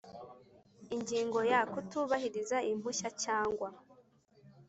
Ingingo ya kutubahiriza impushya cyangwa